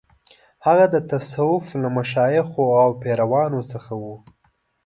هغه د تصوف له مشایخو او پیرانو څخه و.